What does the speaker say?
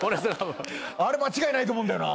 あれ間違いないと思うんだよな。